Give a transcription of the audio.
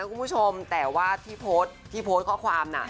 คุณผู้ชมแต่ว่าที่โพสต์ที่โพสต์ข้อความน่ะ